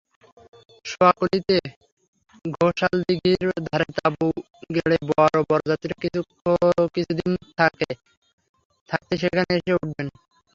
শেয়াকুলিতে ঘোষালদিঘির ধারে তাঁবু গেড়ে বর ও বরযাত্রীরা কিছুদিন আগে থাকতেই সেখানে এসে উঠবেন।